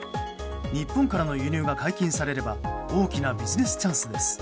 日本からの輸入が解禁されれば大きなビジネスチャンスです。